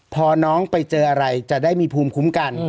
พอน้องไปเจออะไรจะได้มีภูมิคุ้มกัน